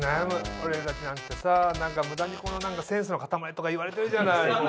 俺たちなんてさ何か無駄にセンスの塊とかいわれてるじゃない。